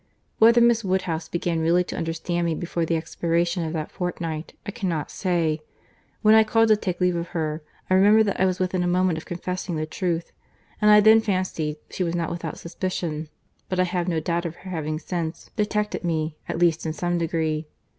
—Whether Miss Woodhouse began really to understand me before the expiration of that fortnight, I cannot say;—when I called to take leave of her, I remember that I was within a moment of confessing the truth, and I then fancied she was not without suspicion; but I have no doubt of her having since detected me, at least in some degree.